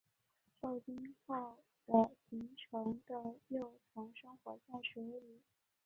受精后的形成的幼虫生活在水中。